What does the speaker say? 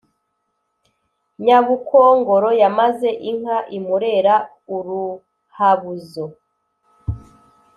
Nyabukongoro yamaze inka i Murera-Uruhabuzo.